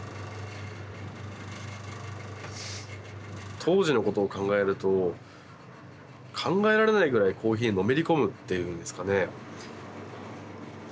当時のことを考えると考えられないぐらいコーヒーにのめり込むっていうんですかね。